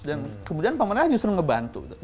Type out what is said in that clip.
dan kemudian pemerintah justru ngebantu